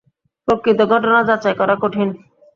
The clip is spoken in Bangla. প্রকৃত ঘটনা যাচাই করা কঠিন।